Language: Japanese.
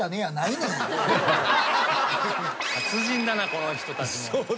達人だなこの人たち。